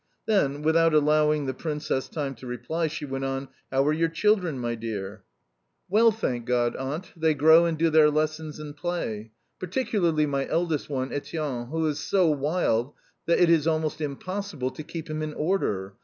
Then, without allowing the Princess time to reply, she went on: "How are your children my dear?" "Well, thank God, Aunt, they grow and do their lessons and play particularly my eldest one, Etienne, who is so wild that it is almost impossible to keep him in order.